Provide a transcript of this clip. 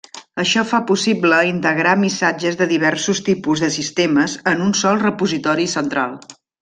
Això fa possible integrar missatges de diversos tipus de sistemes en un sol repositori central.